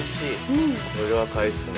これは買いっすね。